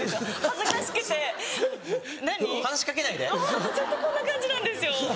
ずっとこんな感じなんですよ